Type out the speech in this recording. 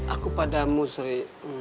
aku padamu sri